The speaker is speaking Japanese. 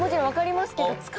分かりますけど。